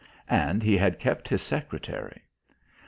And he had kept his secretary.